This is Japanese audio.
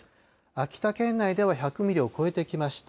秋田県内では１００ミリを超えてきました。